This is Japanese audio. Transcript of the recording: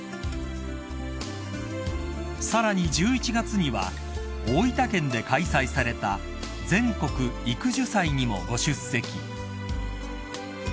［さらに１１月には大分県で開催された全国育樹祭にもご出席］